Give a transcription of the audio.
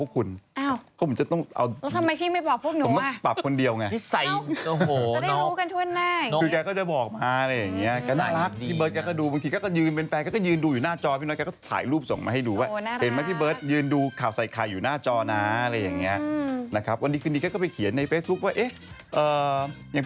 อืมอืมอืมอืมอืมอืมอืมอืมอืมอืมอืมอืมอืมอืมอืมอืมอืมอืมอืมอืมอืมอืมอืมอืมอืมอืมอืมอืมอืมอืมอืมอืมอืมอืมอืมอืมอืมอืมอืมอืมอืมอืมอืมอืมอืมอืมอืมอืมอืมอืมอืมอืมอืมอืมอืมอ